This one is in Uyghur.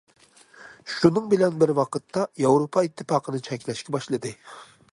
شۇنىڭ بىلەن بىر ۋاقىتتا، ياۋروپا ئىتتىپاقىنى چەكلەشكە باشلىدى.